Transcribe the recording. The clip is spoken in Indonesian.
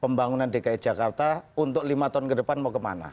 pembangunan dki jakarta untuk lima tahun ke depan mau kemana